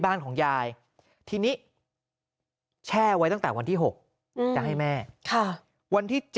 บ้านของยายทีนี้แช่ไว้ตั้งแต่วันที่๖จะให้แม่วันที่๗